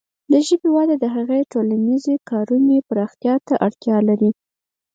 د ژبې وده د هغې د ټولنیزې کارونې پراختیا ته اړتیا لري.